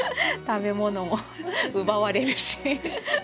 食べ物も奪われるし。